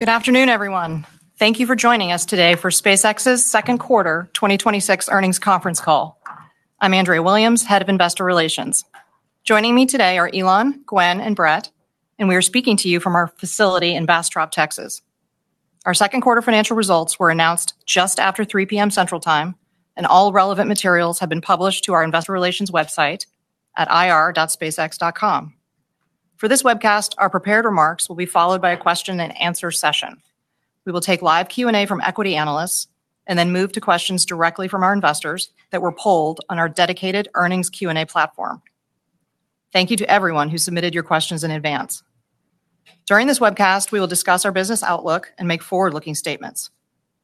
Good afternoon, everyone. Thank you for joining us today for SpaceX's second quarter 2026 earnings conference call. I'm Andrea Williams, Head of Investor Relations. Joining me today are Elon, Gwyn, and Bret, we are speaking to you from our facility in Bastrop, Texas. Our second quarter financial results were announced just after 3:00 P.M. Central Time, all relevant materials have been published to our investor relations website at ir.spacex.com. For this webcast, our prepared remarks will be followed by a question and answer session. We will take live Q&A from equity analysts then move to questions directly from our investors that were polled on our dedicated earnings Q&A platform. Thank you to everyone who submitted your questions in advance. During this webcast, we will discuss our business outlook and make forward-looking statements.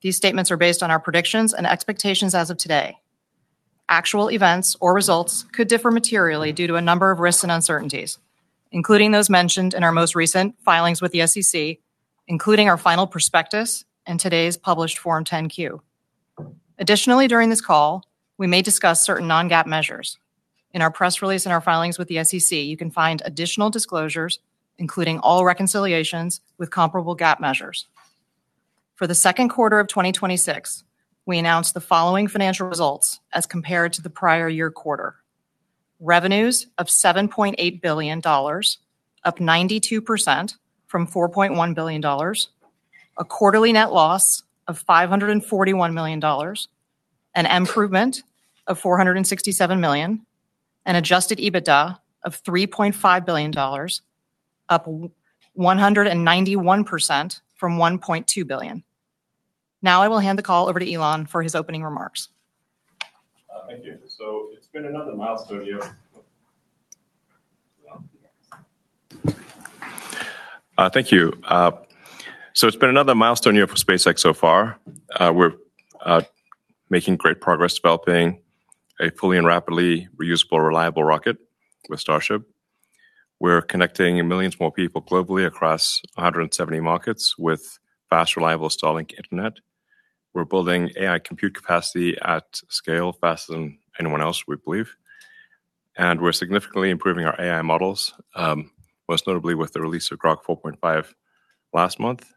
These statements are based on our predictions and expectations as of today. Actual events or results could differ materially due to a number of risks and uncertainties, including those mentioned in our most recent filings with the SEC, including our final prospectus and today's published Form 10-Q. Additionally, during this call, we may discuss certain non-GAAP measures. In our press release and our filings with the SEC, you can find additional disclosures, including all reconciliations with comparable GAAP measures. For the second quarter of 2026, we announced the following financial results as compared to the prior year quarter. Revenues of $7.8 billion, up 92% from $4.1 billion, a quarterly net loss of $541 million, an improvement of $467 million, an adjusted EBITDA of $3.5 billion, up 191% from $1.2 billion. I will hand the call over to Elon for his opening remarks. Thank you. It's been another milestone year for SpaceX so far. We're making great progress developing a fully and rapidly reusable reliable rocket with Starship. We're connecting millions more people globally across 170 markets with fast, reliable Starlink internet. We're building AI compute capacity at scale faster than anyone else, we believe. We're significantly improving our AI models, most notably with the release of Grok 4.5 last month.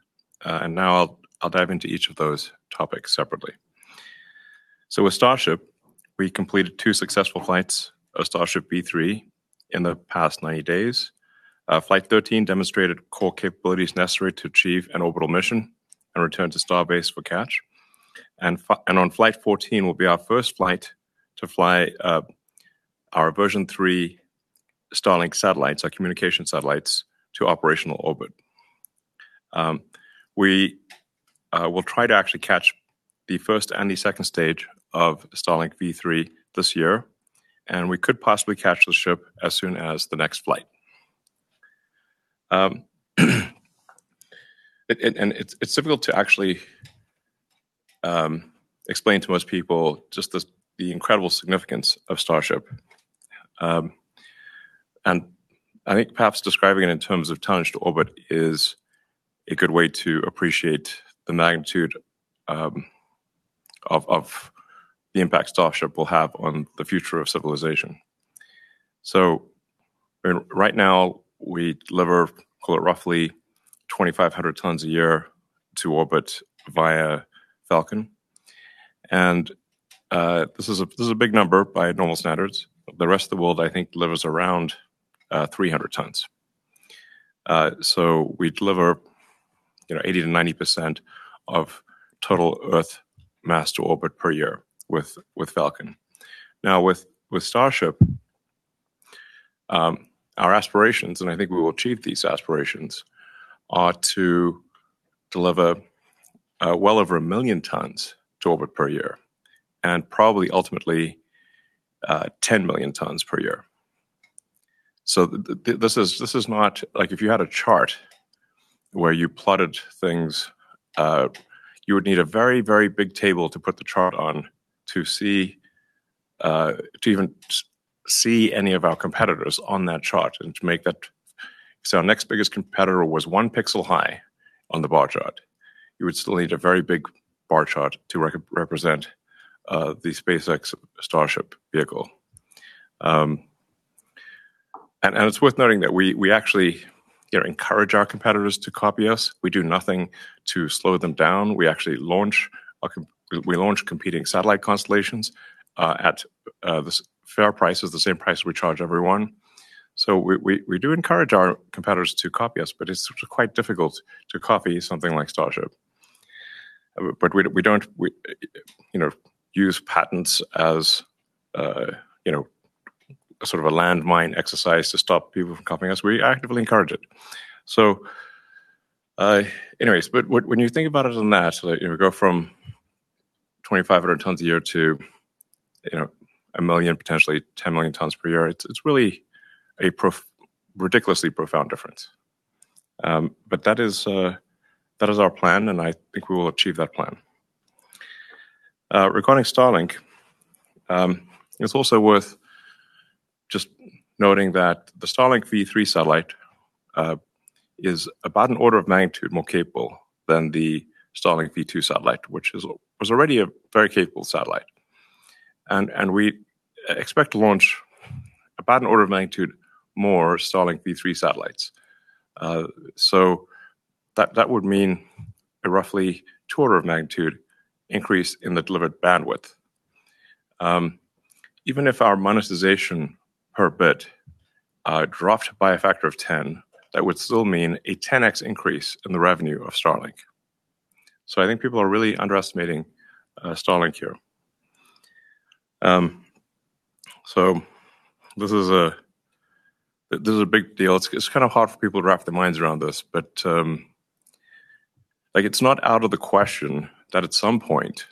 I'll dive into each of those topics separately. With Starship, we completed two successful flights of Starship B3 in the past 90 days. Flight 13 demonstrated core capabilities necessary to achieve an orbital mission and return to Starbase for catch. On Flight 14 will be our first flight to fly our version three Starlink satellites, our communication satellites, to operational orbit. We will try to actually catch the first and the second stage of Starlink V3 this year, we could possibly catch the ship as soon as the next flight. It's difficult to actually explain to most people just the incredible significance of Starship. I think perhaps describing it in terms of tonnage to orbit is a good way to appreciate the magnitude of the impact Starship will have on the future of civilization. Right now we deliver, call it, roughly 2,500 tons a year to orbit via Falcon. This is a big number by normal standards. The rest of the world, I think, delivers around 300 tons. We deliver 80%-90% of total Earth mass to orbit per year with Falcon. With Starship, our aspirations, and I think we will achieve these aspirations, are to deliver well over 1 million tons to orbit per year, and probably ultimately 10 million tons per year. If you had a chart where you plotted things, you would need a very big table to put the chart on to even see any of our competitors on that chart and to make that. Our next biggest competitor was one pixel high on the bar chart. You would still need a very big bar chart to represent the SpaceX Starship vehicle. It's worth noting that we actually encourage our competitors to copy us. We do nothing to slow them down. We launch competing satellite constellations at fair prices, the same price we charge everyone. We do encourage our competitors to copy us, it's quite difficult to copy something like Starship. We don't use patents as a sort of a landmine exercise to stop people from copying us. We actively encourage it. When you think about it on that, you go from 2,500 tons a year to 1 million, potentially 10 million tons per year, it's really a ridiculously profound difference. That is our plan, and I think we will achieve that plan. Regarding Starlink, it's also worth just noting that the Starlink V3 satellite is about an order of magnitude more capable than the Starlink V2 satellite, which was already a very capable satellite. We expect to launch about an order of magnitude more Starlink V3 satellites. That would mean a roughly two order of magnitude increase in the delivered bandwidth. Even if our monetization per bit dropped by a factor of 10, that would still mean a 10X increase in the revenue of Starlink. I think people are really underestimating Starlink here. This is a big deal. It's kind of hard for people to wrap their minds around this, but it's not out of the question that at some point,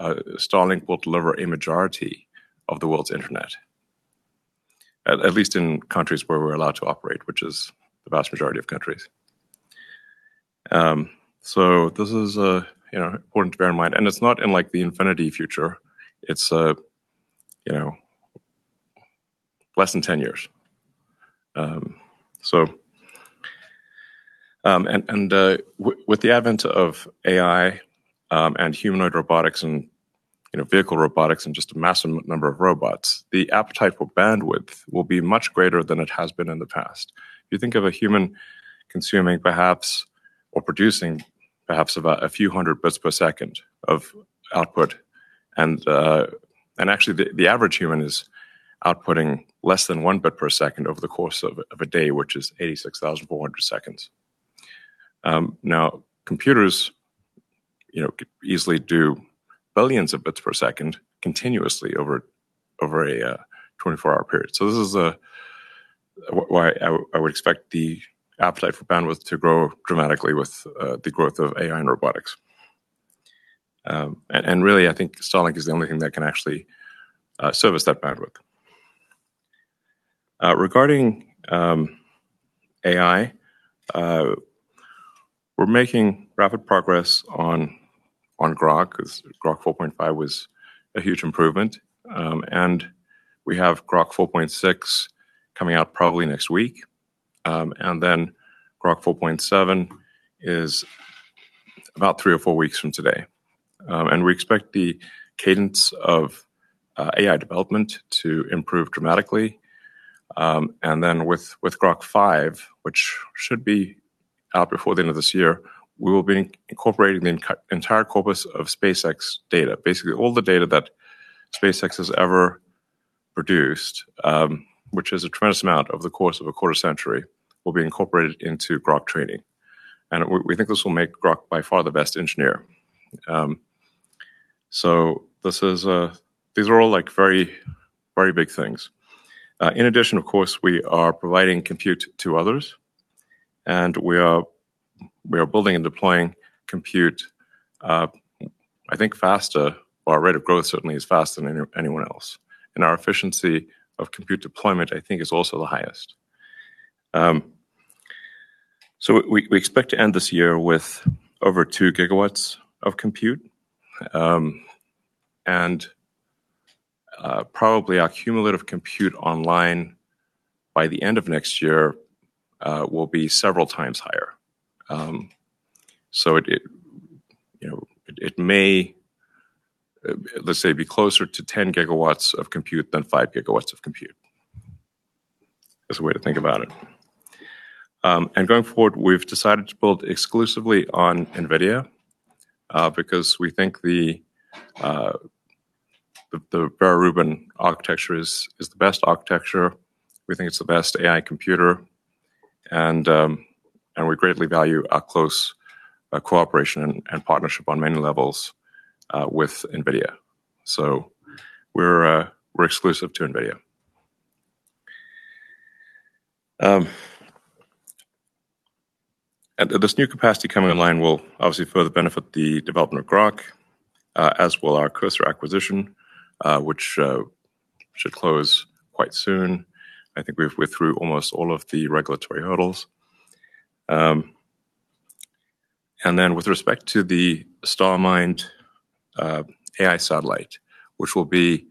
Starlink will deliver a majority of the world's internet, at least in countries where we're allowed to operate, which is the vast majority of countries. This is important to bear in mind, and it's not in the infinity future. It's less than 10 years. With the advent of AI, and humanoid robotics and vehicle robotics and just a massive number of robots, the appetite for bandwidth will be much greater than it has been in the past. You think of a human consuming perhaps or producing perhaps about a few hundred bits per second of output. Actually, the average human is outputting less than one bit per second over the course of a day, which is 86,400 seconds. Computers could easily do billions of bits per second continuously over a 24-hour period. This is why I would expect the appetite for bandwidth to grow dramatically with the growth of AI and robotics. Really, I think Starlink is the only thing that can actually service that bandwidth. Regarding AI, we're making rapid progress on Grok, because Grok 4.5 was a huge improvement. We have Grok 4.6 coming out probably next week and then Grok 4.7 is about three or four weeks from today. We expect the cadence of AI development to improve dramatically. With Grok 5, which should be out before the end of this year, we will be incorporating the entire corpus of SpaceX data. Basically, all the data that SpaceX has ever produced, which is a tremendous amount over the course of a quarter century, will be incorporated into Grok training. We think this will make Grok by far the best engineer. These are all very big things. In addition, of course, we are providing compute to others, and we are building and deploying compute, I think, faster. Our rate of growth certainly is faster than anyone else. Our efficiency of compute deployment, I think, is also the highest. We expect to end this year with over two gigawatts of compute. Probably our cumulative compute online by the end of next year will be several times higher. It may, let's say, be closer to 10 GW of compute than 5 GW of compute, as a way to think about it. Going forward, we've decided to build exclusively on Nvidia, because we think the Vera Rubin architecture is the best architecture. We think it's the best AI computer, and we greatly value our close cooperation and partnership on many levels with Nvidia. We're exclusive to Nvidia. This new capacity coming online will obviously further benefit the development of Grok, as will our Cursor acquisition, which should close quite soon. I think we're through almost all of the regulatory hurdles. With respect to the Starmind AI satellite, which will be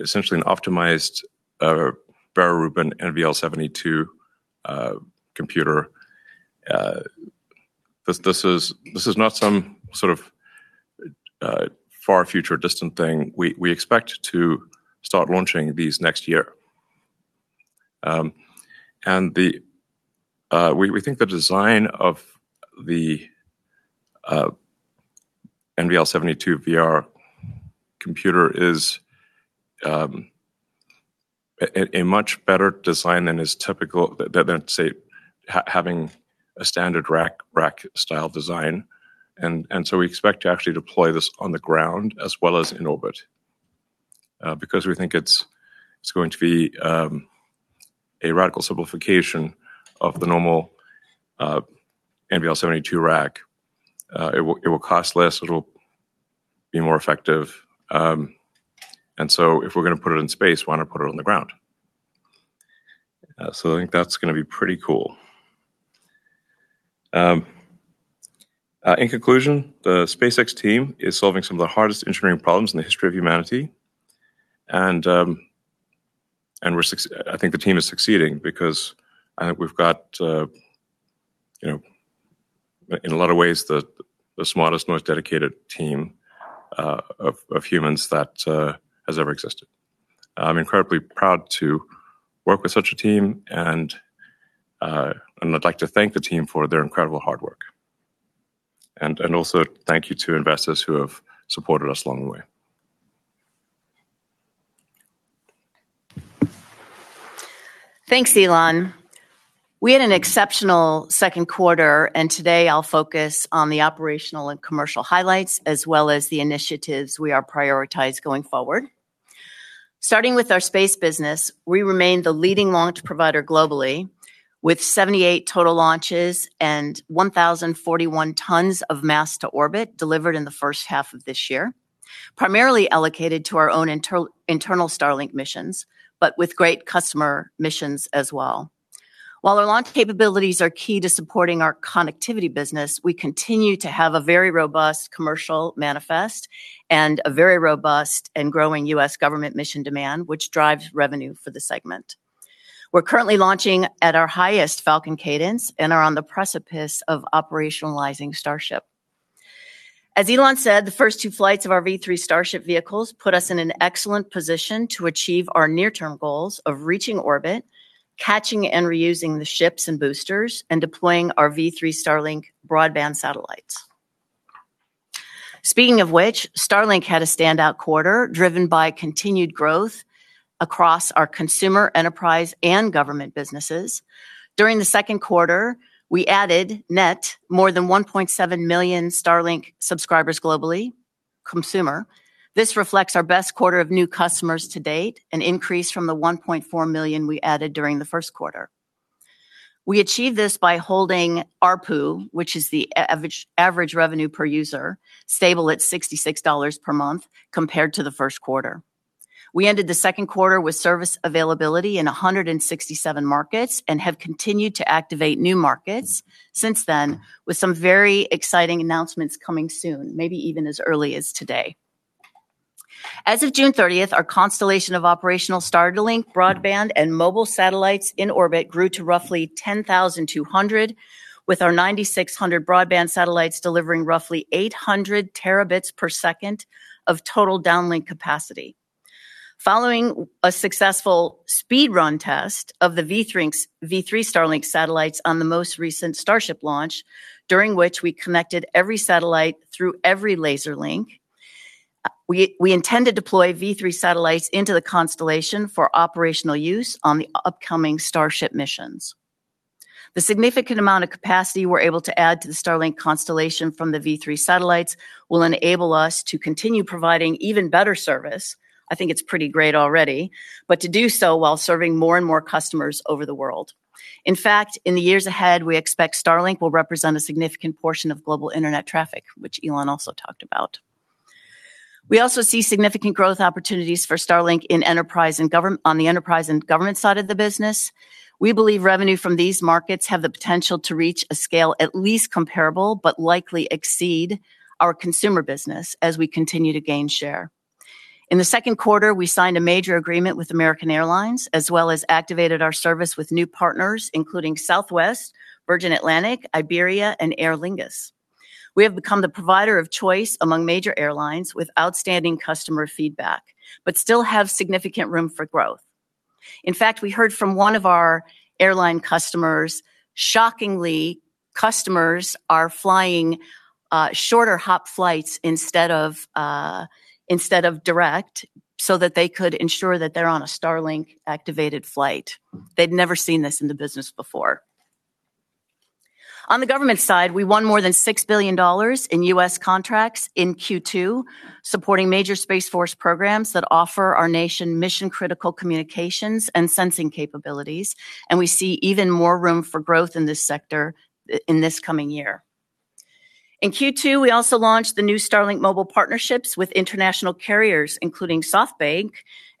essentially an optimized Vera Rubin NVL72 computer. This is not some sort of far future distant thing. We expect to start launching this next year. We think the design of the NVL72 VR computer is a much better design than, say, having a standard rack style design. We expect to actually deploy this on the ground as well as in orbit, because we think it's going to be a radical simplification of the normal NVL72 rack. It will cost less. It'll be more effective. If we're going to put it in space, why not put it on the ground? I think that's going to be pretty cool. In conclusion, the SpaceX team is solving some of the hardest engineering problems in the history of humanity. I think the team is succeeding because I think we've got, in a lot of ways, the smartest, most dedicated team of humans that has ever existed. I'm incredibly proud to work with such a team, and I'd like to thank the team for their incredible hard work. Thank you to investors who have supported us along the way. Thanks, Elon. We had an exceptional second quarter, and today I'll focus on the operational and commercial highlights, as well as the initiatives we are prioritized going forward. Starting with our space business, we remain the leading launch provider globally, with 78 total launches and 1,041 tons of mass to orbit delivered in the first half of this year, primarily allocated to our own internal Starlink missions, but with great customer missions as well. While our launch capabilities are key to supporting our connectivity business, we continue to have a very robust commercial manifest and a very robust and growing U.S. government mission demand, which drives revenue for the segment. We're currently launching at our highest Falcon cadence and are on the precipice of operationalizing Starship. As Elon said, the first two flights of our V3 Starship vehicles put us in an excellent position to achieve our near-term goals of reaching orbit, catching and reusing the ships and boosters, and deploying our V3 Starlink broadband satellites. Speaking of which, Starlink had a standout quarter, driven by continued growth across our consumer, enterprise, and government businesses. During the second quarter, we added net more than 1.7 million Starlink subscribers globally, consumer. This reflects our best quarter of new customers to date, an increase from the 1.4 million we added during the first quarter. We achieved this by holding ARPU, which is the average revenue per user, stable at $66 per month compared to the first quarter. We ended the second quarter with service availability in 167 markets and have continued to activate new markets since then, with some very exciting announcements coming soon, maybe even as early as today. As of June 30th, our constellation of operational Starlink broadband and mobile satellites in orbit grew to roughly 10,200, with our 9,600 broadband satellites delivering roughly 800 terabits per second of total downlink capacity. Following a successful speed run test of the V3 Starlink satellites on the most recent Starship launch, during which we connected every satellite through every laser link, we intend to deploy V3 satellites into the constellation for operational use on the upcoming Starship missions. The significant amount of capacity we're able to add to the Starlink constellation from the V3 satellites will enable us to continue providing even better service, I think it's pretty great already, but to do so while serving more and more customers over the world. In fact, in the years ahead, we expect Starlink will represent a significant portion of global internet traffic, which Elon also talked about. We also see significant growth opportunities for Starlink on the enterprise and government side of the business. We believe revenue from these markets have the potential to reach a scale at least comparable but likely exceed our consumer business as we continue to gain share. In the second quarter, we signed a major agreement with American Airlines, as well as activated our service with new partners including Southwest, Virgin Atlantic, Iberia, and Aer Lingus. We have become the provider of choice among major airlines with outstanding customer feedback but still have significant room for growth. In fact, we heard from one of our airline customers, shockingly, customers are flying shorter hop flights instead of direct so that they could ensure that they're on a Starlink-activated flight. They'd never seen this in the business before. On the government side, we won more than $6 billion in U.S. contracts in Q2, supporting major Space Force programs that offer our nation mission-critical communications and sensing capabilities, and we see even more room for growth in this sector in this coming year. In Q2, we also launched the new Starlink Mobile partnerships with international carriers, including SoftBank,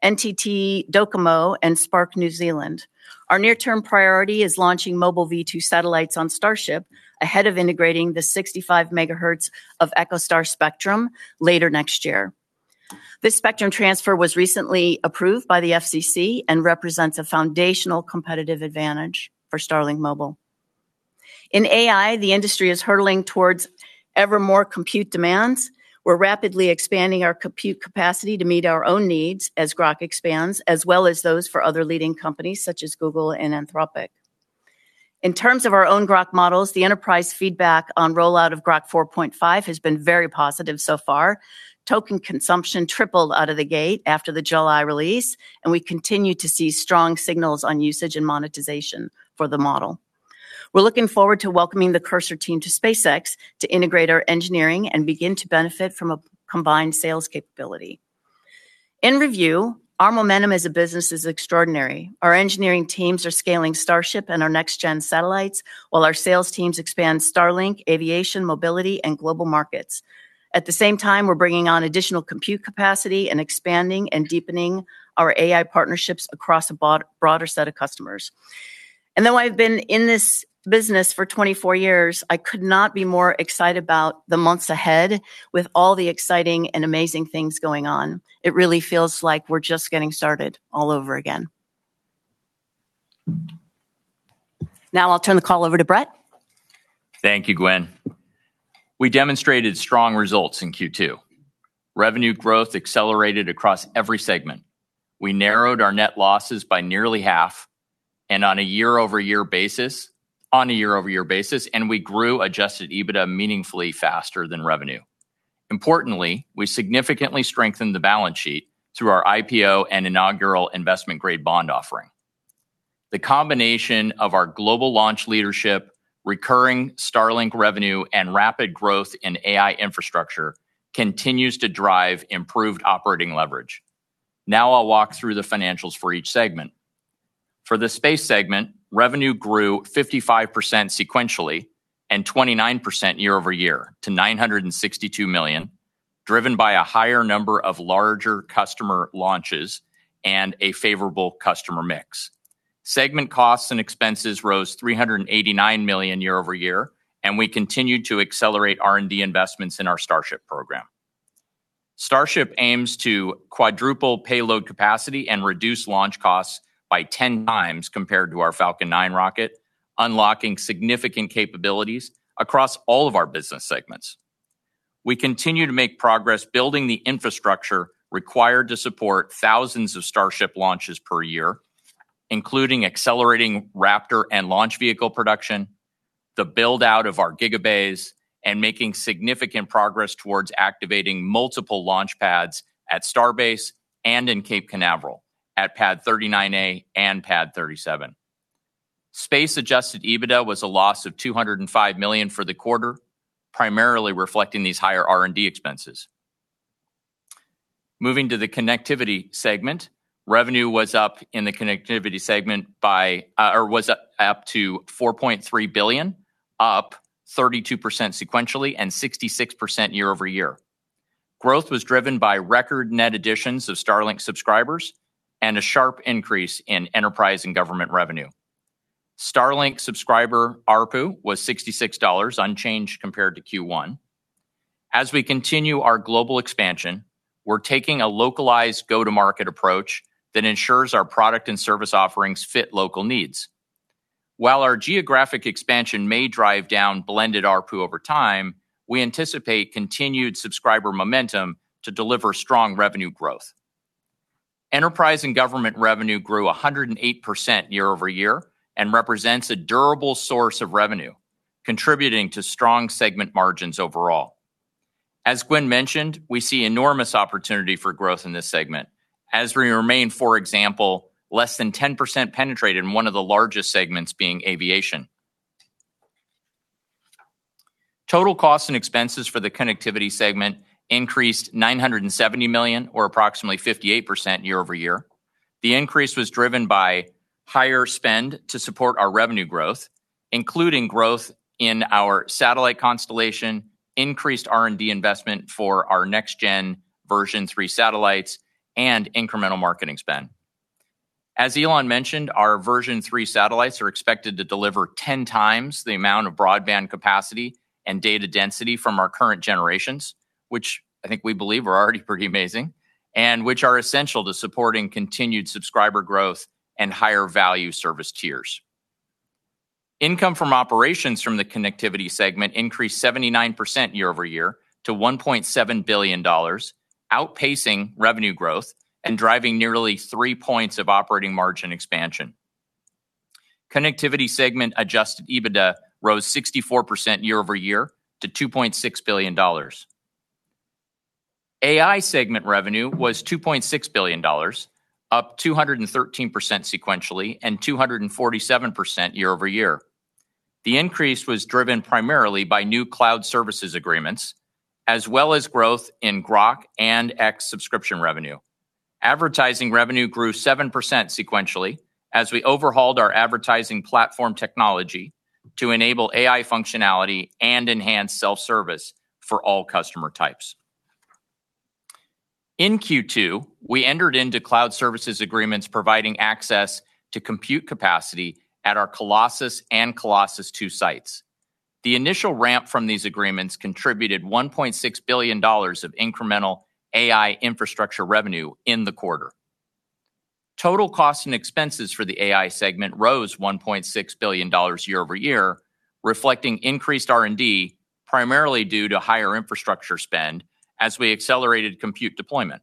NTT Docomo, and Spark New Zealand. Our near-term priority is launching Mobile V2 satellites on Starship ahead of integrating the 65 MHz of EchoStar spectrum later next year. This spectrum transfer was recently approved by the FCC and represents a foundational competitive advantage for Starlink Mobile. In AI, the industry is hurtling towards ever more compute demands. We're rapidly expanding our compute capacity to meet our own needs as Grok expands, as well as those for other leading companies such as Google and Anthropic. In terms of our own Grok models, the enterprise feedback on rollout of Grok 4.5 has been very positive so far. Token consumption tripled out of the gate after the July release, and we continue to see strong signals on usage and monetization for the model. We're looking forward to welcoming the Cursor team to SpaceX to integrate our engineering and begin to benefit from a combined sales capability. In review, our momentum as a business is extraordinary. Our engineering teams are scaling Starship and our next-gen satellites, while our sales teams expand Starlink, aviation, mobility, and global markets. At the same time, we're bringing on additional compute capacity and expanding and deepening our AI partnerships across a broader set of customers. And though I've been in this business for 24 years, I could not be more excited about the months ahead with all the exciting and amazing things going on. It really feels like we're just getting started all over again. Now I'll turn the call over to Bret. Thank you, Gweynne. We demonstrated strong results in Q2. Revenue growth accelerated across every segment. We narrowed our net losses by nearly half on a year-over-year basis, and we grew adjusted EBITDA meaningfully faster than revenue. Importantly, we significantly strengthened the balance sheet through our IPO and inaugural investment-grade bond offering. The combination of our global launch leadership, recurring Starlink revenue, and rapid growth in AI infrastructure continues to drive improved operating leverage. Now I'll walk through the financials for each segment. For the space segment, revenue grew 55% sequentially and 29% year-over-year to $962 million, driven by a higher number of larger customer launches and a favorable customer mix. Segment costs and expenses rose $389 million year-over-year, and we continued to accelerate R&D investments in our Starship program. Starship aims to quadruple payload capacity and reduce launch costs by 10x compared to our Falcon 9 rocket, unlocking significant capabilities across all of our business segments. We continue to make progress building the infrastructure required to support thousands of Starships launches per year, including accelerating Raptor and launch vehicle production, the build-out of our Gigabay, and making significant progress towards activating multiple launch pads at Starbase and in Cape Canaveral at Pad 39A and Pad 37. Space adjusted EBITDA was a loss of $205 million for the quarter, primarily reflecting these higher R&D expenses. Moving to the Connectivity segment, revenue was up in the Connectivity segment up to $4.3 billion, up 32% sequentially and 66% year-over-year. Growth was driven by record net additions of Starlink subscribers and a sharp increase in enterprise and government revenue. Starlink subscriber ARPU was $66, unchanged compared to Q1. As we continue our global expansion, we're taking a localized go-to-market approach that ensures our product and service offerings fit local needs. While our geographic expansion may drive down blended ARPU over time, we anticipate continued subscriber momentum to deliver strong revenue growth. Enterprise and government revenue grew 108% year-over-year and represents a durable source of revenue, contributing to strong segment margins overall. As Gwyn mentioned, we see enormous opportunity for growth in this segment as we remain, for example, less than 10% penetrated in one of the largest segments being aviation. Total costs and expenses for the Connectivity segment increased $970 million or approximately 58% year-over-year. The increase was driven by higher spend to support our revenue growth, including growth in our satellite constellation, increased R&D investment for our next gen V3 satellites, and incremental marketing spend. As Elon mentioned, our V3 satellites are expected to deliver 10x the amount of broadband capacity and data density from our current generations, which I think we believe are already pretty amazing, and which are essential to supporting continued subscriber growth and higher value service tiers. Income from operations from the Connectivity segment increased 79% year-over-year to $1.7 billion, outpacing revenue growth and driving nearly three points of operating margin expansion. Connectivity segment adjusted EBITDA rose 64% year-over-year to $2.6 billion. AI Segment revenue was $2.6 billion, up 213% sequentially and 247% year-over-year. The increase was driven primarily by new cloud services agreements, as well as growth in Grok and X subscription revenue. Advertising revenue grew 7% sequentially as we overhauled our advertising platform technology to enable AI functionality and enhance self-service for all customer types. In Q2, we entered into cloud services agreements providing access to compute capacity at our Colossus and Colossus two sites. The initial ramp from these agreements contributed $1.6 billion of incremental AI infrastructure revenue in the quarter. Total costs and expenses for the AI Segment rose $1.6 billion year-over-year, reflecting increased R&D, primarily due to higher infrastructure spend as we accelerated compute deployment.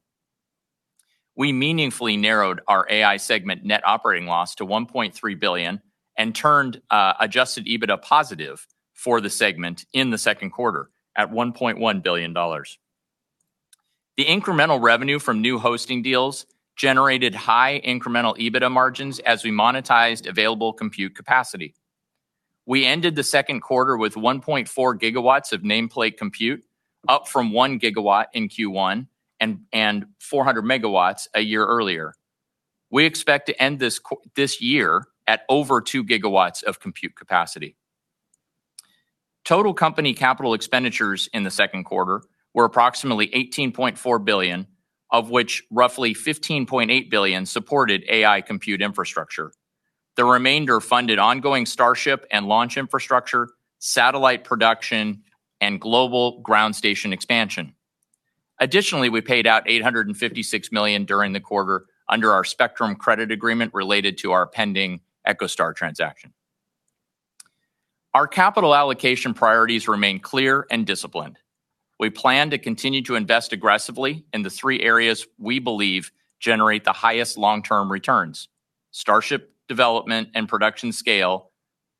We meaningfully narrowed our AI Segment net operating loss to $1.3 billion and turned adjusted EBITDA positive for the segment in the second quarter at $1.1 billion. The incremental revenue from new hosting deals generated high incremental EBITDA margins as we monetized available compute capacity. We ended the second quarter with 1.4 GW of nameplate compute up from one gigawatt in Q1 and 400 MW a year earlier. We expect to end this year at over two gigawatts of compute capacity. Total company capital expenditures in the second quarter were approximately $18.4 billion, of which roughly $15.8 billion supported AI compute infrastructure. The remainder funded ongoing Starship and launch infrastructure, satellite production, and global ground station expansion. Additionally, we paid out $856 million during the quarter under our spectrum credit agreement related to our pending EchoStar transaction. Our capital allocation priorities remain clear and disciplined. We plan to continue to invest aggressively in the three areas we believe generate the highest long-term returns: Starship development and production scale,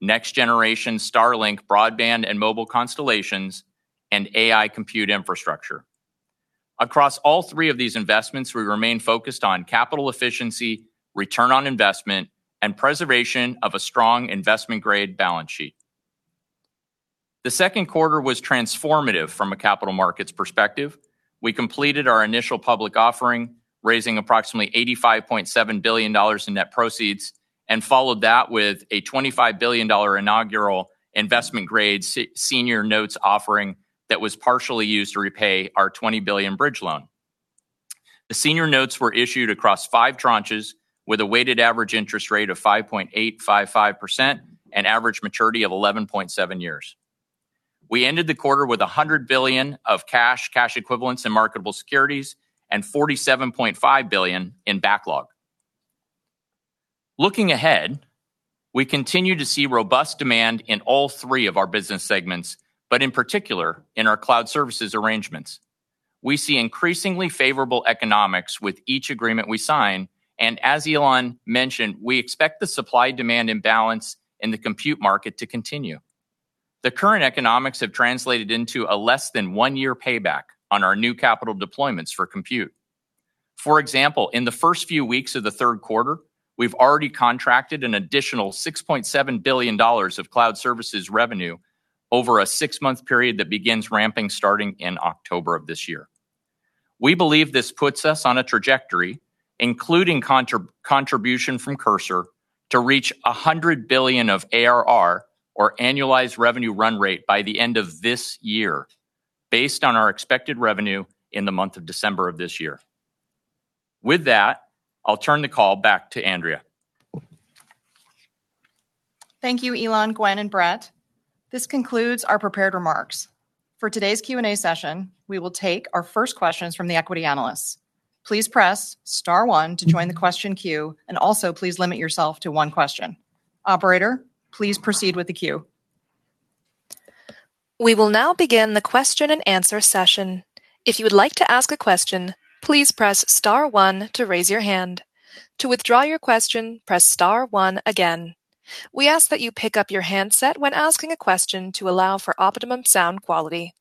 next generation Starlink broadband and mobile constellations, and AI compute infrastructure. Across all three of these investments, we remain focused on capital efficiency, return on investment, and preservation of a strong investment-grade balance sheet. The second quarter was transformative from a capital markets perspective. We completed our initial public offering, raising approximately $85.7 billion in net proceeds, and followed that with a $25 billion inaugural investment-grade senior notes offering that was partially used to repay our $20 billion bridge loan. The senior notes were issued across five tranches with a weighted average interest rate of 5.855% and average maturity of 11.7 years. We ended the quarter with $100 billion of cash equivalents in marketable securities, and $47.5 billion in backlog. Looking ahead, we continue to see robust demand in all three of our business segments, but in particular in our cloud services arrangements. We see increasingly favorable economics with each agreement we sign, and as Elon mentioned, we expect the supply-demand imbalance in the compute market to continue. The current economics have translated into a less than one-year payback on our new capital deployments for compute. For example, in the first few weeks of the third quarter, we've already contracted an additional $6.7 billion of cloud services revenue over a six-month period that begins ramping starting in October of this year. We believe this puts us on a trajectory, including contribution from Cursor, to reach $100 billion of ARR, or annualized revenue run rate, by the end of this year, based on our expected revenue in the month of December of this year. With that, I'll turn the call back to Andrea. Thank you, Elon, Gwyn, and Bret. This concludes our prepared remarks. For today's Q&A session, we will take our first questions from the equity analysts. Please press star one to join the question queue, and also please limit yourself to one question. Operator, please proceed with the queue. We will now begin the question-and-answer session. If you would like to ask a question, please press star one to raise your hand. To withdraw your question, press star one again. We ask that you pick up your handset when asking a question to allow for optimum sound quality.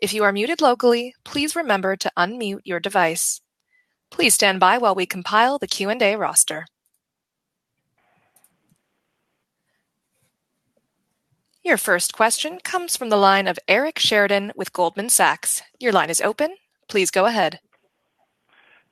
If you are muted locally, please remember to unmute your device. Please stand by while we compile the Q&A roster. Your first question comes from the line of Eric Sheridan with Goldman Sachs. Your line is open. Please go ahead.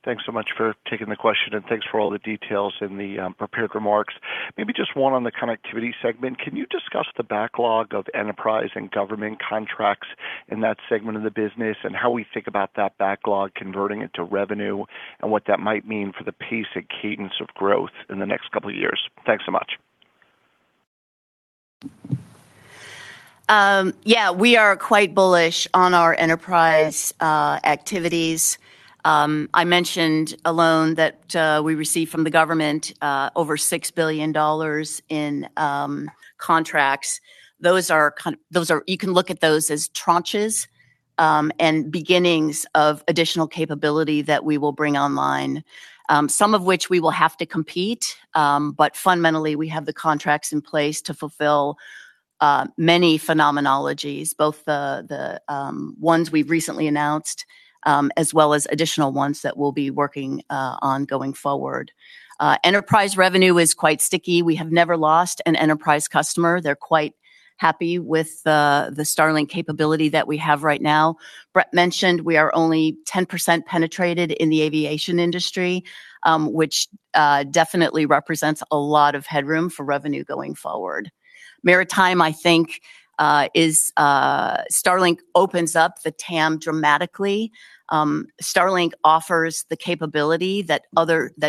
Thanks so much for taking the question, and thanks for all the details in the prepared remarks. Maybe just one on the connectivity segment. Can you discuss the backlog of enterprise and government contracts in that segment of the business, and how we think about that backlog converting into revenue, and what that might mean for the pace and cadence of growth in the next couple of years? Thanks so much. We are quite bullish on our enterprise activities. I mentioned a loan that we received from the government over $6 billion in contracts. You can look at those as tranches and beginnings of additional capability that we will bring online. Some of which we will have to compete, but fundamentally, we have the contracts in place to fulfill many phenomenologies, both the ones we've recently announced, as well as additional ones that we'll be working on going forward. Enterprise revenue is quite sticky. We have never lost an enterprise customer. They're quite happy with the Starlink capability that we have right now. Bret mentioned we are only 10% penetrated in the aviation industry, which definitely represents a lot of headroom for revenue going forward. Maritime, I think, Starlink opens up the TAM dramatically. Starlink offers the capability that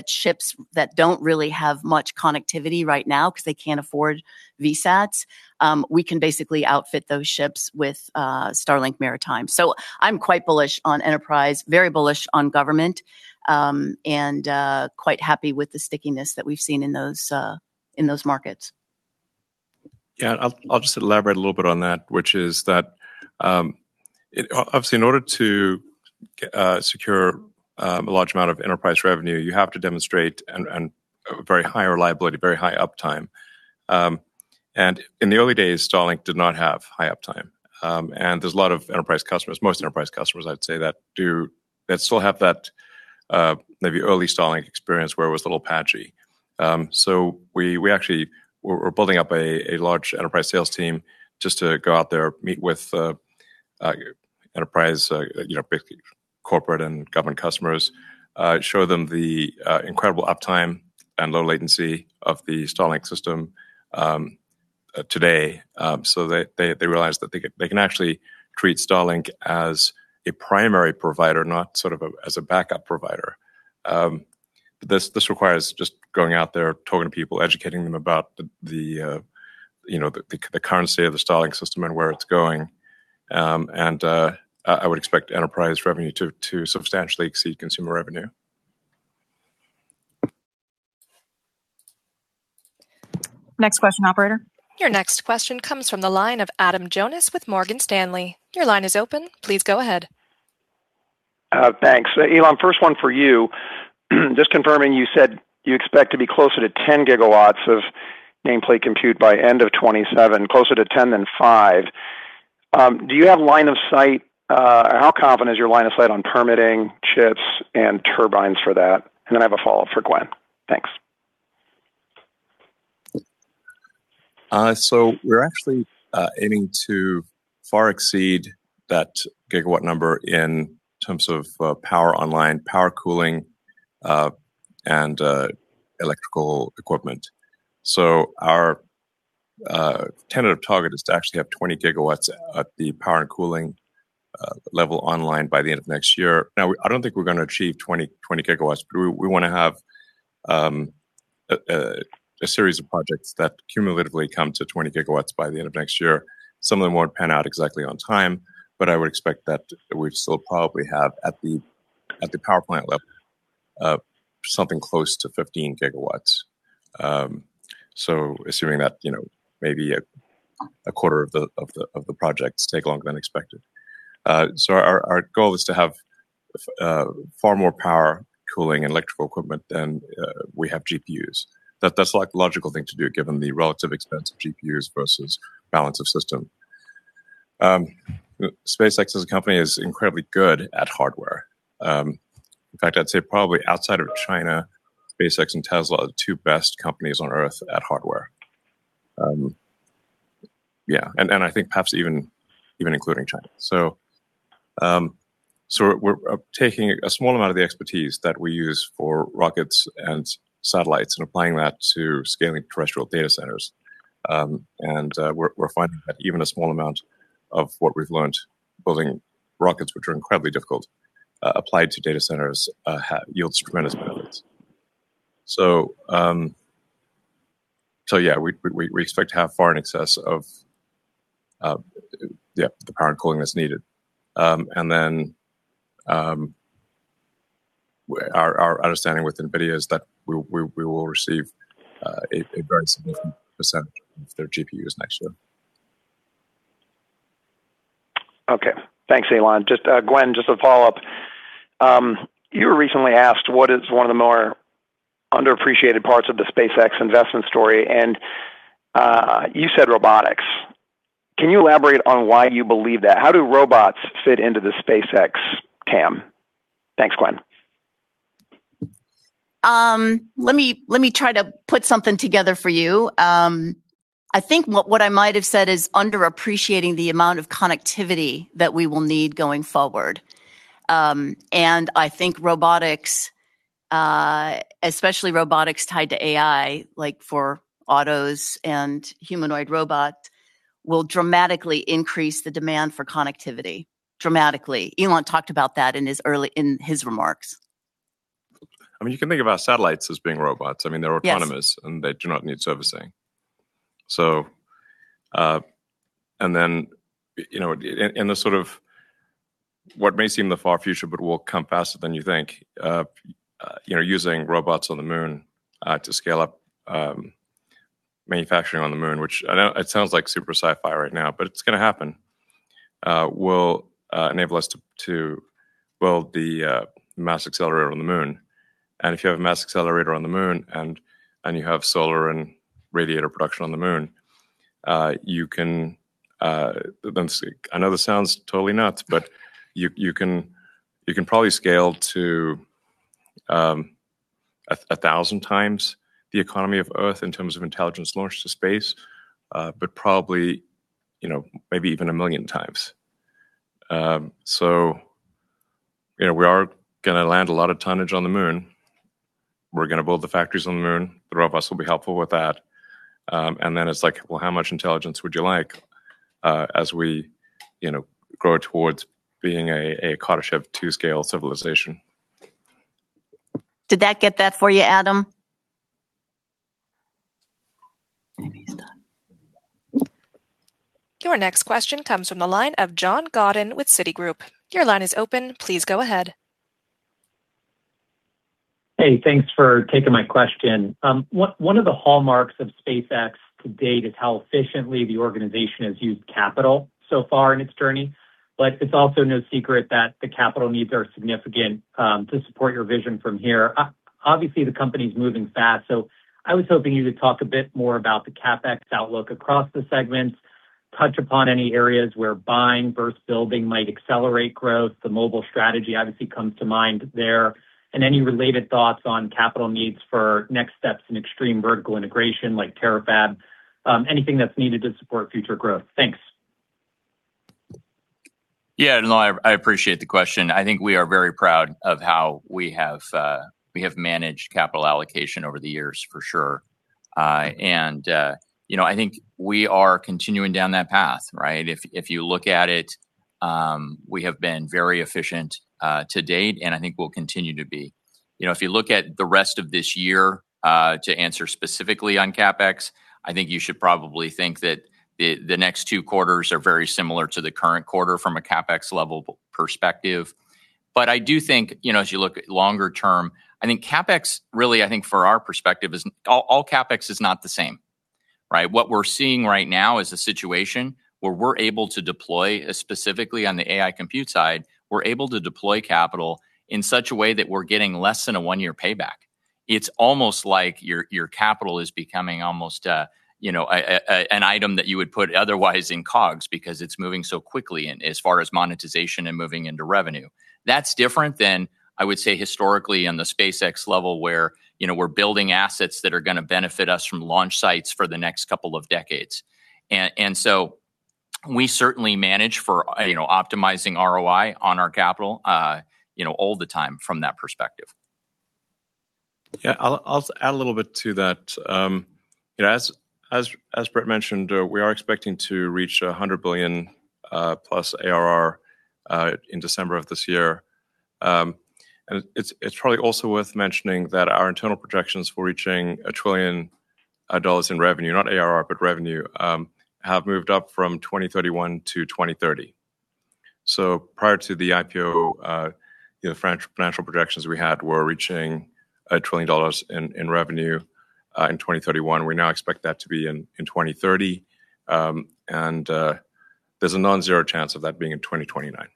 ships that don't really have much connectivity right now because they can't afford VSATs. We can basically outfit those ships with Starlink Maritime. I'm quite bullish on enterprise, very bullish on government, and quite happy with the stickiness that we've seen in those markets. Yeah. I'll just elaborate a little bit on that, which is that, obviously, in order to secure a large amount of enterprise revenue, you have to demonstrate a very high reliability, very high uptime. In the early days, Starlink did not have high uptime. There's a lot of enterprise customers, most enterprise customers, I'd say, that still have that maybe early Starlink experience where it was a little patchy. We actually were building up a large enterprise sales team just to go out there, meet with enterprise, basically corporate and government customers, show them the incredible uptime and low latency of the Starlink system today. They realize that they can actually treat Starlink as a primary provider, not sort of as a backup provider. This requires just going out there, talking to people, educating them about the current state of the Starlink system and where it's going. I would expect enterprise revenue to substantially exceed consumer revenue. Next question, operator. Your next question comes from the line of Adam Jonas with Morgan Stanley. Your line is open. Please go ahead. Thanks. Elon, first one for you. Just confirming, you said you expect to be closer to 10 GW of nameplate compute by end of 2027, closer to 10 than five. Do you have line of sight? How confident is your line of sight on permitting, chips, and turbines for that? I have a follow-up for Gwyn. Thanks. We're actually aiming to far exceed that gigawatt number in terms of power online, power cooling, and electrical equipment. Our tentative target is to actually have 20 GW at the power and cooling level online by the end of next year. Now, I don't think we're going to achieve 20 GW, but we want to have a series of projects that cumulatively come to 20 GW by the end of next year. Some of them won't pan out exactly on time, but I would expect that we'd still probably have, at the power plant level, something close to 15 GW. Assuming that maybe a quarter of the projects take longer than expected. Our goal is to have far more power cooling and electrical equipment than we have GPUs. That's the logical thing to do, given the relative expense of GPUs versus balance of system. SpaceX as a company is incredibly good at hardware. In fact, I'd say probably outside of China, SpaceX and Tesla are the two best companies on Earth at hardware. Yeah, I think perhaps even including China. We're taking a small amount of the expertise that we use for rockets and satellites and applying that to scaling terrestrial data centers. We're finding that even a small amount of what we've learned building rockets, which are incredibly difficult, applied to data centers, yields tremendous benefits. Yeah, we expect to have far in excess of the power and cooling that's needed. Our understanding with NVIDIA is that we will receive a very significant percentage of their GPUs next year. Okay. Thanks, Elon. Gwyn, just a follow-up. You were recently asked what is one of the more underappreciated parts of the SpaceX investment story, you said robotics. Can you elaborate on why you believe that? How do robots fit into the SpaceX camp? Thanks, Gwyn. Let me try to put something together for you. I think what I might have said is underappreciating the amount of connectivity that we will need going forward. I think robotics, especially robotics tied to AI, like for autos and humanoid robot, will dramatically increase the demand for connectivity. Dramatically. Elon talked about that in his remarks. You can think of our satellites as being robots. Yes. They're autonomous, and they do not need servicing. In the sort of what may seem the far future but will come faster than you think, using robots on the Moon to scale up manufacturing on the Moon, which I know it sounds like super sci-fi right now, but it's going to happen, will enable us to build the mass accelerator on the Moon. If you have a mass accelerator on the Moon, and you have solar and radiator production on the Moon, you can I know this sounds totally nuts, but you can probably scale to 1,000x the economy of Earth in terms of intelligence launched to space. Probably maybe even a million times. We are going to land a lot of tonnage on the Moon. We're going to build the factories on the Moon. The robots will be helpful with that. It's like, well, how much intelligence would you like as we grow towards being a Kardashev 2 scale civilization? Did that get that for you, Adam? Your next question comes from the line of John Godyn with Citigroup. Your line is open. Please go ahead. Hey, thanks for taking my question. One of the hallmarks of SpaceX to date is how efficiently the organization has used capital so far in its journey. It's also no secret that the capital needs are significant to support your vision from here. Obviously, the company's moving fast, I was hoping you could talk a bit more about the CapEx outlook across the segments, touch upon any areas where buying versus building might accelerate growth. The mobile strategy obviously comes to mind there. Any related thoughts on capital needs for next steps in extreme vertical integration like Terafab, anything that's needed to support future growth. Thanks. Yeah, no, I appreciate the question. I think we are very proud of how we have managed capital allocation over the years, for sure. I think we are continuing down that path, right? If you look at it, we have been very efficient to date, and I think we'll continue to be. If you look at the rest of this year, to answer specifically on CapEx, I think you should probably think that the next two quarters are very similar to the current quarter from a CapEx level perspective. I do think, as you look longer term, I think CapEx really, I think from our perspective, all CapEx is not the same, right? What we're seeing right now is a situation where we're able to deploy, specifically on the AI compute side, we're able to deploy capital in such a way that we're getting less than a one-year payback. It's almost like your capital is becoming almost an item that you would put otherwise in COGS because it's moving so quickly and as far as monetization and moving into revenue. That's different than, I would say, historically on the SpaceX level, where we're building assets that are going to benefit us from launch sites for the next couple of decades. We certainly manage for optimizing ROI on our capital all the time from that perspective. I'll add a little bit to that. As Bret mentioned, we are expecting to reach $100 billion+ ARR in December of this year. It's probably also worth mentioning that our internal projections for reaching $1 trillion in revenue, not ARR, but revenue, have moved up from 2031 to 2030. Prior to the IPO, the financial projections we had were reaching $1 trillion in revenue in 2031. We now expect that to be in 2030. There's a non-zero chance of that being in 2029.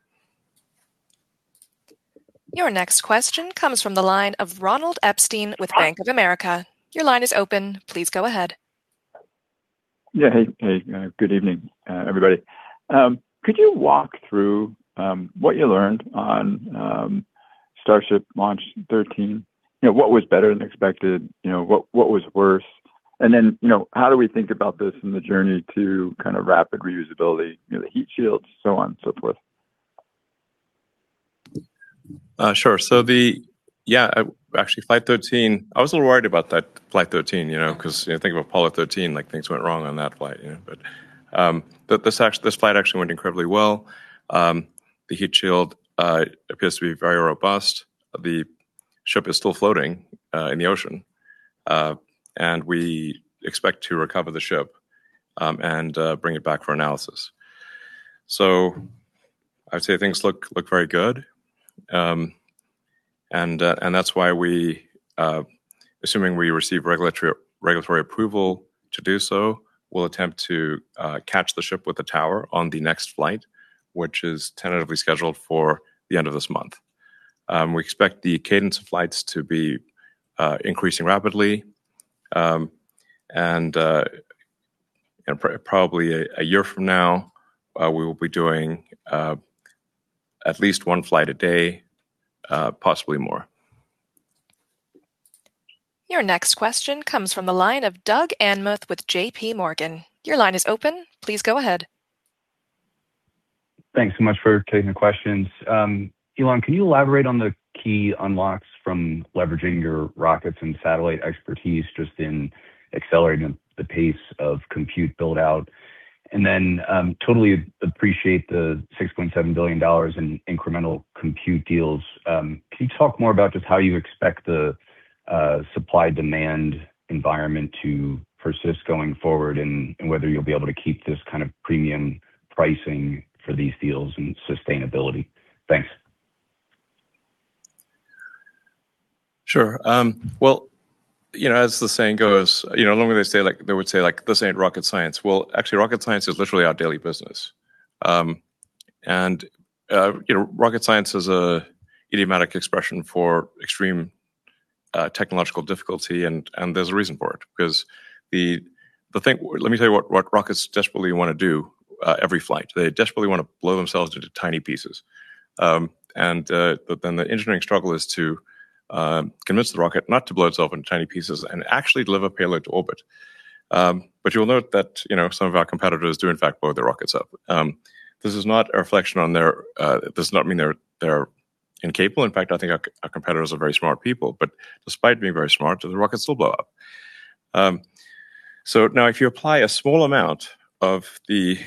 Your next question comes from the line of Ronald Epstein with Bank of America. Your line is open. Please go ahead. Hey, good evening, everybody. Could you walk through what you learned on Starship Launch 13? What was better than expected? What was worse? How do we think about this in the journey to rapid reusability, the heat shields, so on and so forth? Sure. Actually, Flight 13, I was a little worried about that Flight 13, because you think about Apollo 13, things went wrong on that flight. This flight actually went incredibly well. The heat shield appears to be very robust. The ship is still floating in the ocean. We expect to recover the ship and bring it back for analysis. I'd say things look very good. That's why we, assuming we receive regulatory approval to do so, will attempt to catch the ship with the tower on the next flight, which is tentatively scheduled for the end of this month. We expect the cadence of flights to be increasing rapidly, and probably a year from now, we will be doing at least one flight a day, possibly more. Your next question comes from the line of Doug Anmuth with JPMorgan. Your line is open. Please go ahead. Thanks so much for taking the questions. Elon, can you elaborate on the key unlocks from leveraging your rockets and satellite expertise just in accelerating the pace of compute build-out? Totally appreciate the $6.7 billion in incremental compute deals. Can you talk more about just how you expect the supply-demand environment to persist going forward and whether you'll be able to keep this kind of premium pricing for these deals and sustainability? Thanks. Sure. Well, as the saying goes, normally they would say, like, "This ain't rocket science." Well, actually, rocket science is literally our daily business. Rocket science is a idiomatic expression for extreme technological difficulty, and there's a reason for it, because let me tell you what rockets desperately want to do every flight. They desperately want to blow themselves into tiny pieces. The engineering struggle is to convince the rocket not to blow itself into tiny pieces and actually deliver payload to orbit. You'll note that some of our competitors do in fact blow their rockets up. This does not mean they're incapable. In fact, I think our competitors are very smart people, but despite being very smart, the rockets still blow up. Now if you apply a small amount of the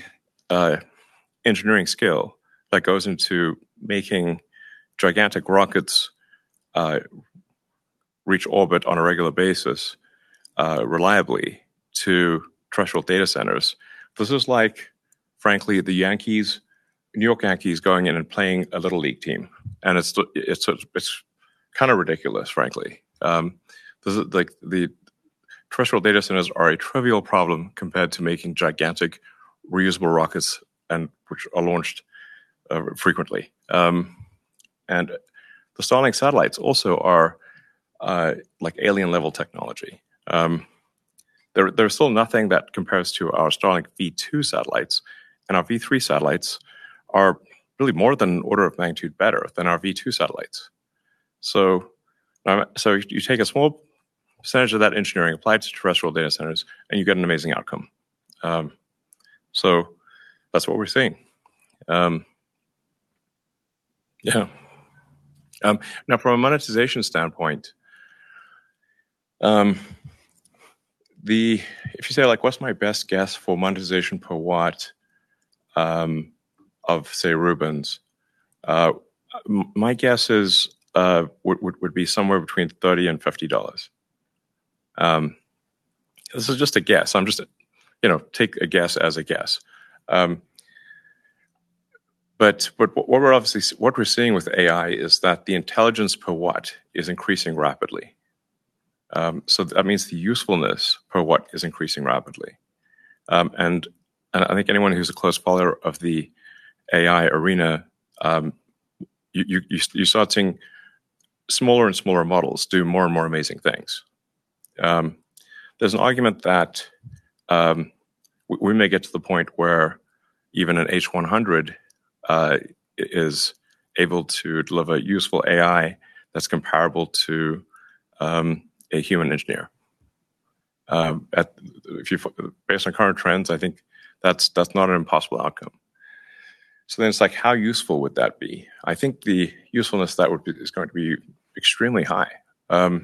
engineering skill that goes into making gigantic rockets reach orbit on a regular basis reliably to terrestrial data centers, this is like, frankly, the New York Yankees going in and playing a little league team, and it is kind of ridiculous, frankly. The terrestrial data centers are a trivial problem compared to making gigantic reusable rockets, which are launched frequently. The Starlink satellites also are like alien-level technology. There is still nothing that compares to our Starlink V2 satellites, and our Starlink V3 satellites are really more than an order of magnitude better than our Starlink V2 satellites. You take a small percentage of that engineering applied to terrestrial data centers, and you get an amazing outcome. That is what we are seeing. Yeah. Now, from a monetization standpoint, if you say, what is my best guess for monetization per watt of, say, Rubin? My guess would be somewhere between $30 and $50. This is just a guess. Take a guess as a guess. What we are seeing with AI is that the intelligence per watt is increasing rapidly. That means the usefulness per watt is increasing rapidly. I think anyone who is a close follower of the AI arena, you start seeing smaller and smaller models do more and more amazing things. There is an argument that we may get to the point where even an H100 is able to deliver useful AI that is comparable to a human engineer. Based on current trends, I think that is not an impossible outcome. It is like, how useful would that be? I think the usefulness is going to be extremely high. If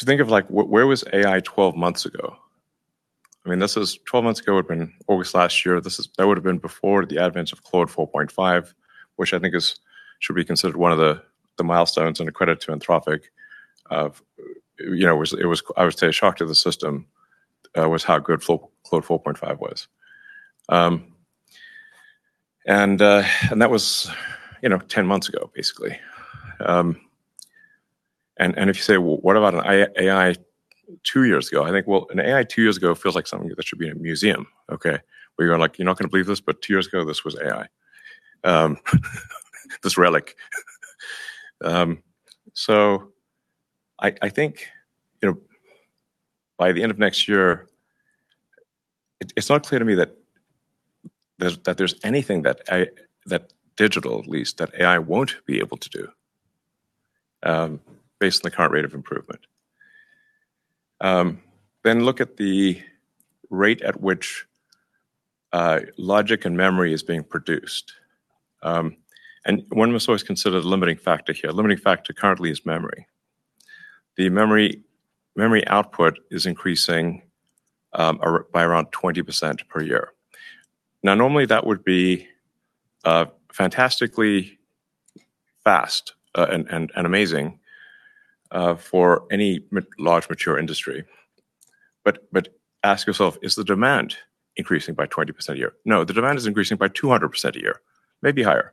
you think of where was AI 12 was months ago, 12 months ago would have been August last year. That would have been before the advent of Claude 3.5, which I think should be considered one of the milestones and a credit to Anthropic of, I would say a shock to the system, was how good Claude 3.5 was. That was 10 months ago, basically. If you say, "Well, what about an AI two years ago?" I think, well, an AI two years ago feels like something that should be in a museum, okay? Where you are like, "You are not going to believe this, but two years ago, this was AI." This relic. I think, by the end of next year, it is not clear to me that there is anything that digital, at least, that AI will not be able to do based on the current rate of improvement. Look at the rate at which logic and memory is being produced. One must always consider the limiting factor here. Limiting factor currently is memory. The memory output is increasing by around 20% per year. Now, normally, that would be fantastically fast and amazing for any large mature industry. Ask yourself, is the demand increasing by 20% a year? No, the demand is increasing by 200% a year, maybe higher.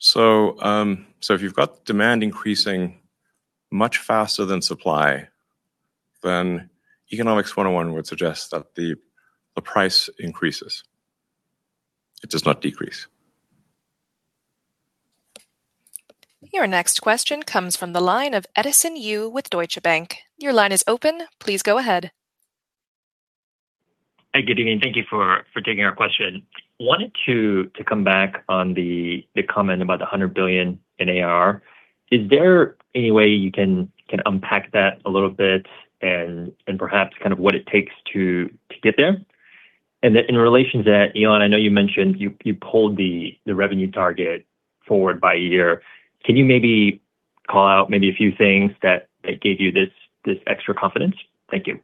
If you have got demand increasing much faster than supply, Economics 101 would suggest that the price increases. It does not decrease. Your next question comes from the line of Edison Yu with Deutsche Bank. Your line is open. Please go ahead. Hi, good evening. Thank you for taking our question. Wanted to come back on the comment about the $100 billion in ARR. Is there any way you can unpack that a little bit and perhaps kind of what it takes to get there? In relation to that, Elon, I know you mentioned you pulled the revenue target forward by a year. Can you maybe call out maybe a few things that gave you this extra confidence? Thank you.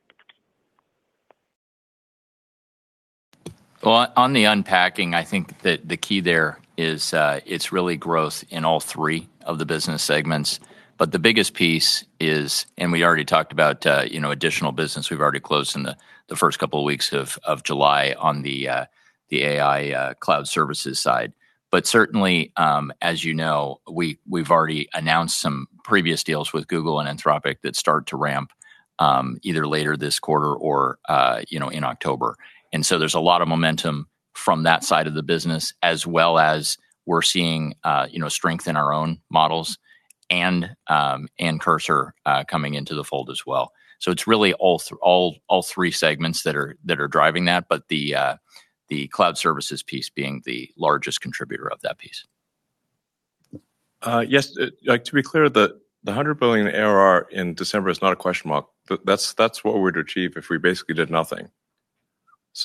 Well, on the unpacking, I think that the key there is it's really growth in all three of the business segments, but the biggest piece is, and we already talked about additional business we've already closed in the first couple of weeks of July on the AI cloud services side. Certainly, as you know, we've already announced some previous deals with Google and Anthropic that start to ramp either later this quarter or in October. There's a lot of momentum from that side of the business as well as we're seeing strength in our own models and Cursor coming into the fold as well. It's really all three segments that are driving that, but the cloud services piece being the largest contributor of that piece. Yes. To be clear, the $100 billion ARR in December is not a question mark. That's what we'd achieve if we basically did nothing.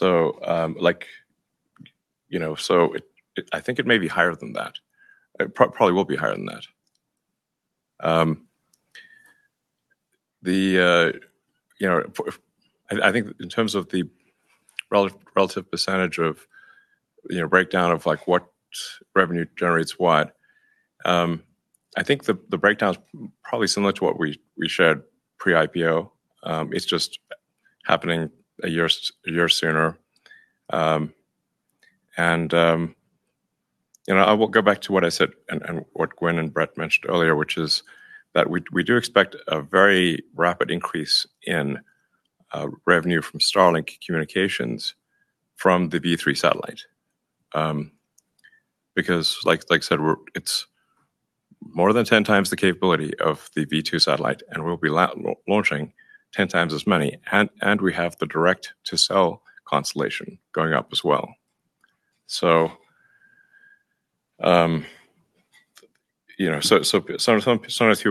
I think it may be higher than that. It probably will be higher than that. I think in terms of the relative percentage of breakdown of what revenue generates what, I think the breakdown's probably similar to what we shared pre-IPO. It's just happening a year sooner. I will go back to what I said and what Gwyn and Bret mentioned earlier, which is that we do expect a very rapid increase in revenue from Starlink communications from the V3 satellite. Like I said, we're more than 10x the capability of the V2 satellite, and we'll be launching 10 times as many, and we have the direct-to-cell constellation going up as well. Some of you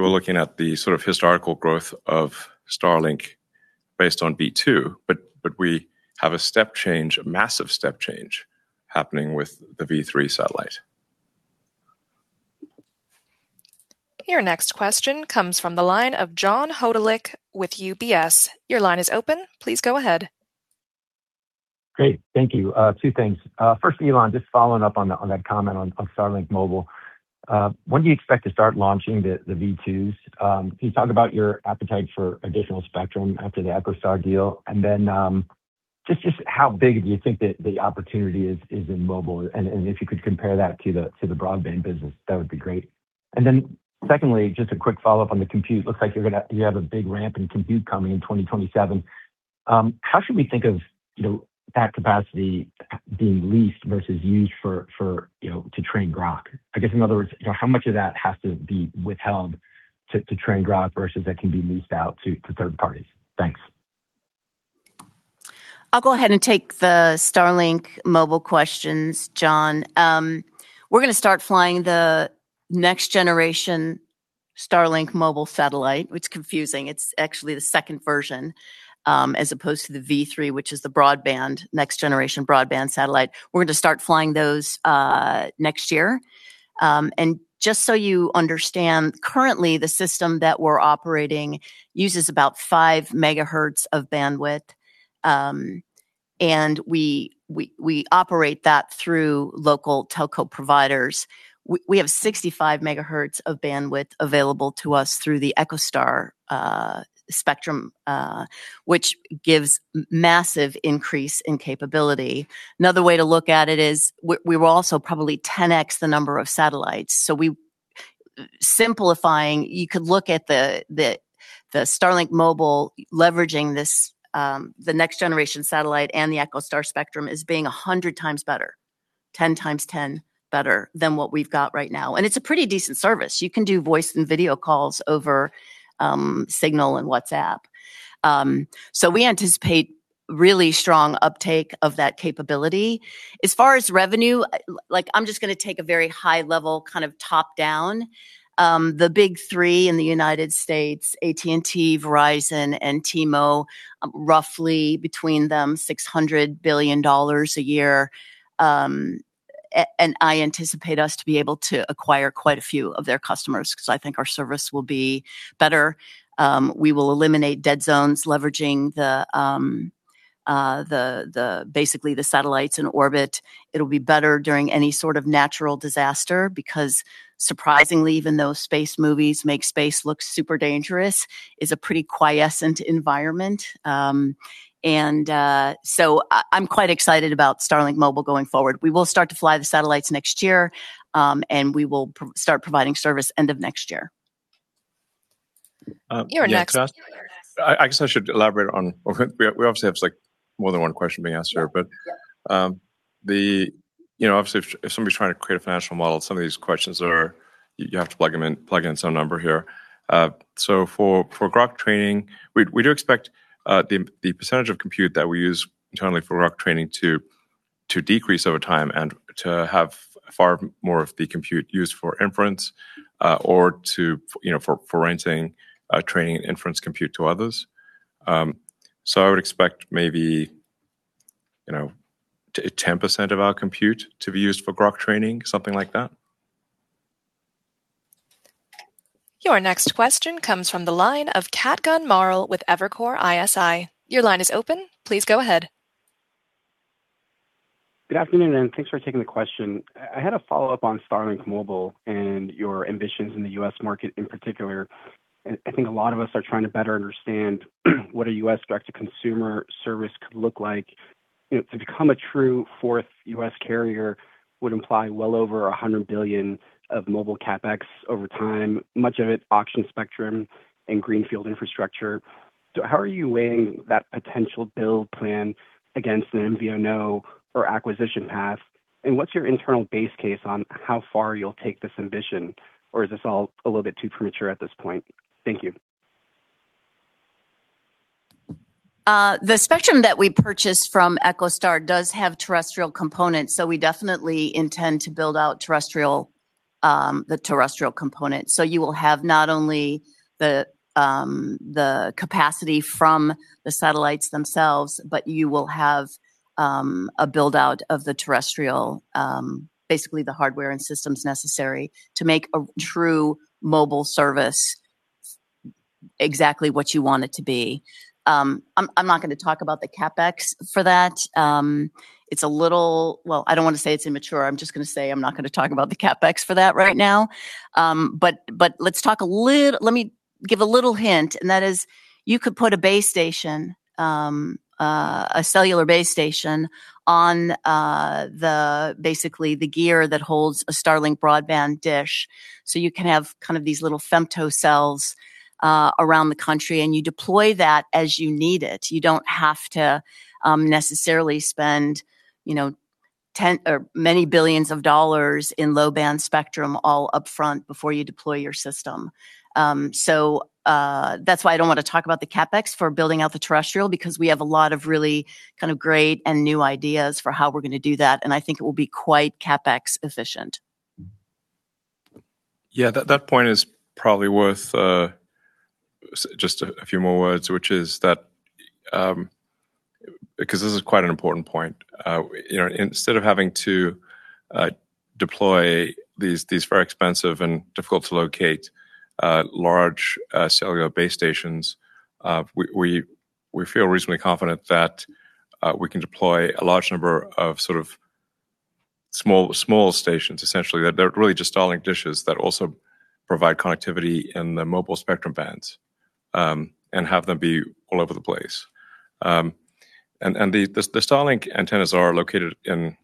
were looking at the historical growth of Starlink based on V2, but we have a step change, a massive step change happening with the V3 satellite. Your next question comes from the line of John Hodulik with UBS. Your line is open. Please go ahead. Great. Thank you. Two things. First for Elon, just following up on that comment on Starlink Mobile. When do you expect to start launching the V2s? Can you talk about your appetite for additional spectrum after the EchoStar deal? Just how big do you think that the opportunity is in mobile? If you could compare that to the broadband business, that would be great. Secondly, just a quick follow-up on the compute. Looks like you have a big ramp in compute coming in 2027. How should we think of that capacity being leased versus used to train Grok? I guess, in other words, how much of that has to be withheld to train Grok versus that can be leased out to third parties? Thanks. I'll go ahead and take the Starlink mobile questions, John. We're going to start flying the next generation Starlink mobile satellite. It's confusing. It's actually the second version, as opposed to the V3, which is the next generation broadband satellite. We're going to start flying those next year. Currently, the system that we're operating uses about five megahertz of bandwidth, and we operate that through local telco providers. We have 65 MHz of bandwidth available to us through the EchoStar spectrum, which gives massive increase in capability. Another way to look at it is we will also probably 10x the number of satellites. Simplifying, you could look at the Starlink mobile leveraging the next generation satellite and the EchoStar spectrum as being 100x better, 10x10 better than what we've got right now. It's a pretty decent service. You can do voice and video calls over Signal and WhatsApp. We anticipate really strong uptake of that capability. As far as revenue, I'm just going to take a very high level kind of top-down. The big three in the U.S., AT&T, Verizon, and T-Mobile, roughly between them, $600 billion a year. I anticipate us to be able to acquire quite a few of their customers because I think our service will be better. We will eliminate dead zones leveraging basically the satellites in orbit. It'll be better during any sort of natural disaster because surprisingly, even though space movies make space look super dangerous, it's a pretty quiescent environment. I'm quite excited about Starlink Mobile going forward. We will start to fly the satellites next year, and we will start providing service end of next year. You're next. I guess I should elaborate on. We obviously have more than one question being asked here. Obviously if somebody's trying to create a financial model, some of these questions you have to plug in some number here. For Grok training, we do expect the percentage of compute that we use internally for Grok training to decrease over time and to have far more of the compute used for inference, or for renting training and inference compute to others. I would expect maybe 10% of our compute to be used for Grok training, something like that. Your next question comes from the line of Kutgun Maral with Evercore ISI. Your line is open. Please go ahead. Good afternoon, and thanks for taking the question. I had a follow-up on Starlink Mobile and your ambitions in the U.S. market in particular. I think a lot of us are trying to better understand what a U.S. direct-to-consumer service could look like. To become a true fourth U.S. carrier would imply well over $100 billion of mobile CapEx over time, much of it auction spectrum and greenfield infrastructure. How are you weighing that potential build plan against the MVNO or acquisition path? What's your internal base case on how far you'll take this ambition? Is this all a little bit too premature at this point? Thank you. The spectrum that we purchased from EchoStar does have terrestrial components, we definitely intend to build out the terrestrial component. You will have not only the capacity from the satellites themselves, but you will have a build-out of the terrestrial, basically the hardware and systems necessary to make a true mobile service exactly what you want it to be. I'm not going to talk about the CapEx for that. Well, I don't want to say it's immature. I'm just going to say I'm not going to talk about the CapEx for that right now. Let me give a little hint, and that is you could put a cellular base station on basically the gear that holds a Starlink broadband dish. You can have kind of these little femtocells around the country, and you deploy that as you need it. You don't have to necessarily spend $10 or many billions of dollars in low-band spectrum all upfront before you deploy your system. That's why I don't want to talk about the CapEx for building out the terrestrial, because we have a lot of really great and new ideas for how we're going to do that, and I think it will be quite CapEx efficient. Yeah. That point is probably worth just a few more words. This is quite an important point. Instead of having to deploy these very expensive and difficult-to-locate large cellular base stations, we feel reasonably confident that we can deploy a large number of sort of small stations essentially. They're really just Starlink dishes that also provide connectivity in the mobile spectrum bands and have them be all over the place. The Starlink antennas are located on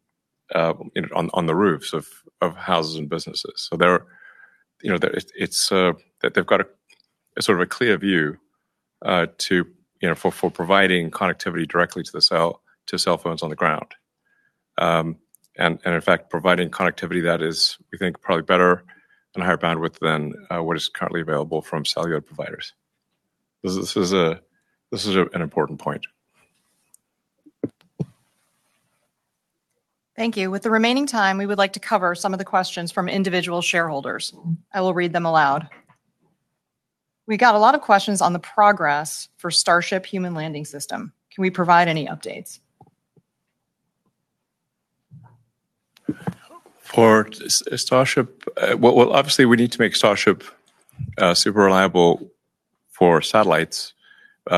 the roofs of houses and businesses, so they've got a sort of clear view for providing connectivity directly to cell phones on the ground. In fact, providing connectivity that is, we think, probably better and higher bandwidth than what is currently available from cellular providers. This is an important point. Thank you. With the remaining time, we would like to cover some of the questions from individual shareholders. I will read them aloud. We got a lot of questions on the progress for Starship human landing system. Can we provide any updates? For Starship, obviously we need to make Starship super reliable for satellites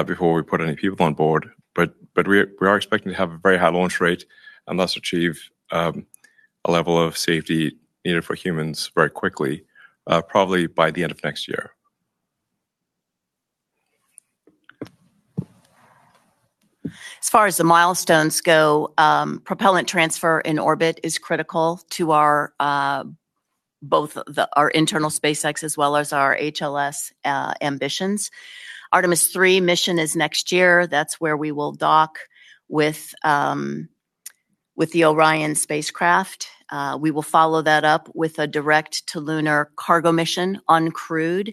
before we put any people on board. We are expecting to have a very high launch rate and thus achieve a level of safety needed for humans very quickly, probably by the end of next year. As far as the milestones go, propellant transfer in orbit is critical to both our internal SpaceX as well as our HLS ambitions. Artemis III mission is next year. That's where we will dock with the Orion spacecraft. We will follow that up with a direct to lunar cargo mission, uncrewed.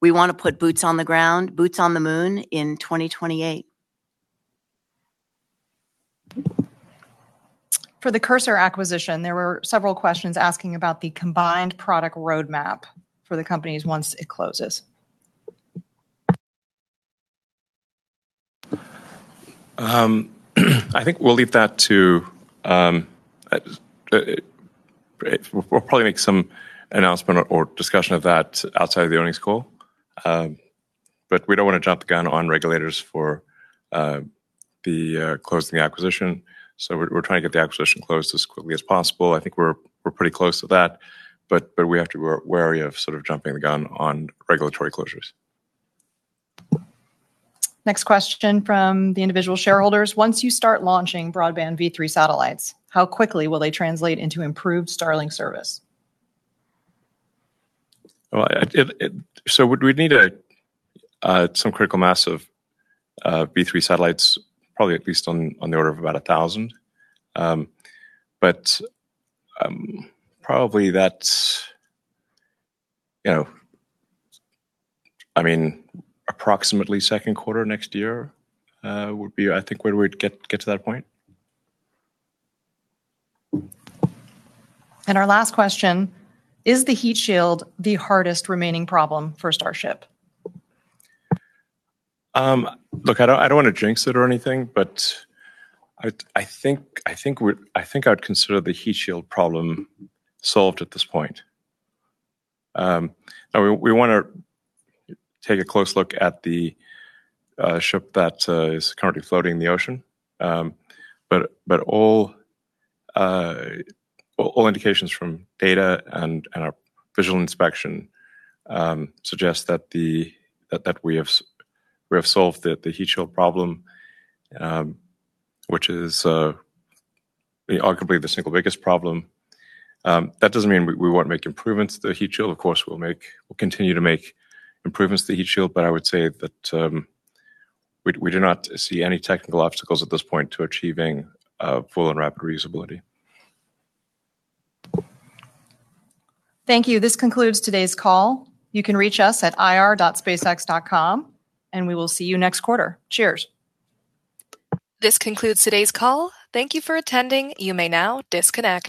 We want to put boots on the ground, boots on the moon in 2028. For the Cursor acquisition, there were several questions asking about the combined product roadmap for the companies once it closes. I think we'll leave that. We'll probably make some announcement or discussion of that outside of the earnings call. We don't want to jump the gun on regulators for the closing acquisition, we're trying to get the acquisition closed as quickly as possible. I think we're pretty close to that, we have to be wary of sort of jumping the gun on regulatory closures. Next question from the individual shareholders. Once you start launching broadband V3 satellites, how quickly will they translate into improved Starlink service? We'd need some critical mass of V3 satellites, probably at least on the order of about 1,000. Probably that's approximately second quarter next year would be, I think, where we'd get to that point. Our last question, is the heat shield the hardest remaining problem for Starship? Look, I don't want to jinx it or anything, but I think I'd consider the heat shield problem solved at this point. We want to take a close look at the ship that is currently floating in the ocean. All indications from data and our visual inspection suggest that we have solved the heat shield problem, which is arguably the single biggest problem. That doesn't mean we won't make improvements to the heat shield. Of course, we'll continue to make improvements to the heat shield, but I would say that we do not see any technical obstacles at this point to achieving full and rapid reusability. Thank you. This concludes today's call. You can reach us at ir.spacex.com, and we will see you next quarter. Cheers. This concludes today's call. Thank you for attending. You may now disconnect.